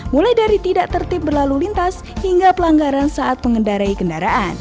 mulai dari tidak tertib berlalu lintas hingga pelanggaran saat mengendarai kendaraan